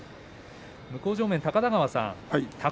向正面の高田川さん